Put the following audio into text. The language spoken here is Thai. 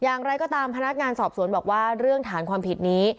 อย่างไรก็ตามพนักงานสอบสวนบอกว่าเรื่องฐานความผิดนี้